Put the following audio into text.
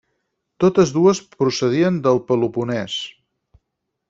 Totes dues procedien del Peloponès.